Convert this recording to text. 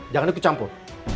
jangan ikut campur